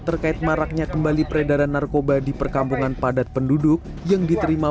terkait maraknya kembali peredaran narkoba di perkampungan padat penduduk yang diterima